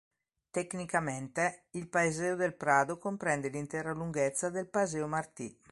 Tecnicamente, il Paseo del Prado comprende l'intera lunghezza del Paseo Martí.